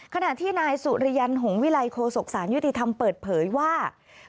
ขณะที่นายสุริยันหงวิลัยโคศกสารยุติธรรมเปิดเผยว่า